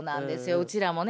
うちらもね